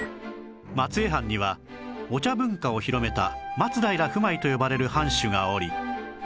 松江藩にはお茶文化を広めた松平不昧と呼ばれる藩主がおり